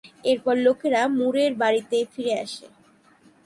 এরপর লোকেরা মুরের বাড়িতে ফিরে আসে।